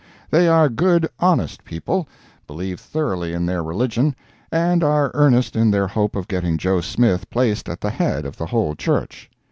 They are good, honest people, believe thoroughly in their religion, and are earnest in their hope of getting Joe Smith placed at the head of the whole Church.